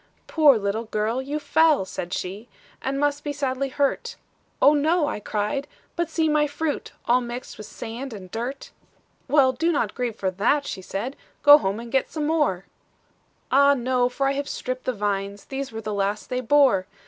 "'Poor little girl, you fell,' said she, 'And must be sadly hurt;' 'Oh, no,' I cried; 'but see my fruit, All mixed with sand and dirt.' "'Well, do not grieve for that,' she said; 'Go home, and get some more,' 'Ah, no, for I have stripped the vines, These were the last they bore.